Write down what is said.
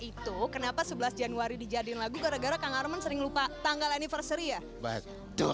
itu kenapa sebelas janirement karena gara gara kang arman sering lupa tanggal anniversary latar